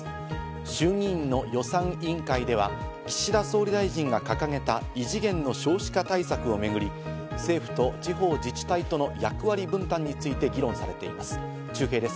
衆議院の予算委員会では、岸田総理大臣が掲げた異次元の少子化対策をめぐり、政府と地方自治体との役割分担について議論されています。